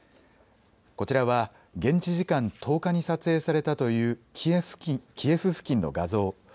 こちらは現地時間１０日に撮影されたというキエフ付近の画像。